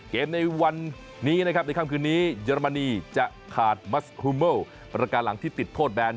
ในวันนี้นะครับในค่ำคืนนี้เยอรมนีจะขาดมัสครูเมิลประการหลังที่ติดโทษแบน